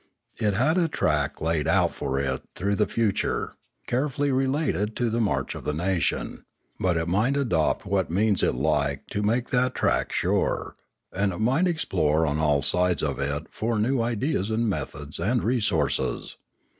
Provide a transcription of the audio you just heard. It had a track laid out for it through the future, carefully related to the march of the nation ; but it might adopt what means it liked to make that track sure, and it might explore on all sides of it for new ideas and methods and resources.